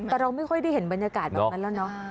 แต่เราไม่ค่อยได้เห็นบรรยากาศแบบนั้นแล้วเนอะ